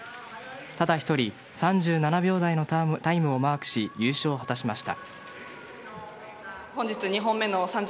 ただ１人３７秒台のタイムをマークし優勝を果たしました。